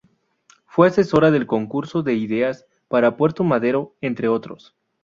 Fue Asesora del Concurso de Ideas para Puerto Madero, entre otros.